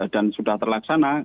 dan sudah terlaksana